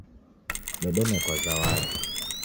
Dedenekwa zawadi.